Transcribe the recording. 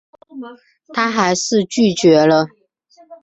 她还是拒绝了